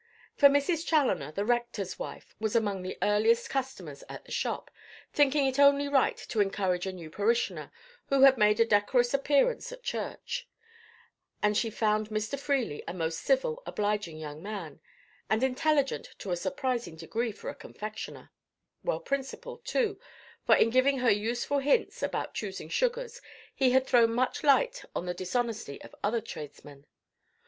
For Mrs. Chaloner, the rector's wife, was among the earliest customers at the shop, thinking it only right to encourage a new parishioner who had made a decorous appearance at church; and she found Mr. Freely a most civil, obliging young man, and intelligent to a surprising degree for a confectioner; well principled, too, for in giving her useful hints about choosing sugars he had thrown much light on the dishonesty of other tradesmen.